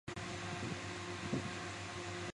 出生于新泽西州北卑尔根。